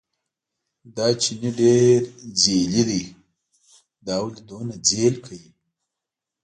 دا چیني ډېر ځېلی دی، دا ولې دومره ځېل کوي.